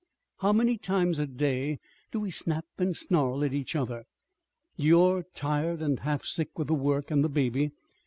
How many times a day do we snap and snarl at each other? You're tired and half sick with the work and the baby.